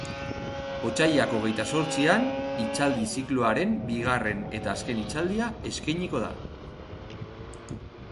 Otsailak hogeita zortzian hitzaldi-zikloaren bigarren eta azken hitzaldia eskainiko da.